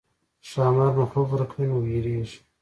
ښامار مخلوق غرقوي نو وېرېږي.